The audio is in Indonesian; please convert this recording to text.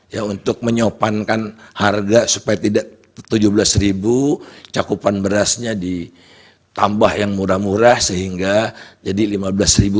ya untuk menyopankan harga supaya tidak tujuh belas ribu cakupan berasnya ditambah yang murah murah sehingga jadi rp lima belas ribu